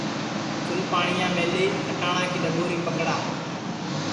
چُل پاٹؔیا میلی کھٹاٹؔا کی ڈؔٻوری پکڑا